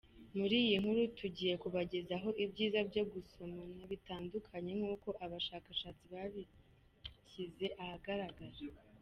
Muri iyi nkuru tugiye kubagezaho ibyiza byo gusomana bitandukanye nk’uko abashakashatsi babishyize ahagaragara.